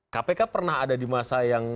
kpk pernah ada di masa yang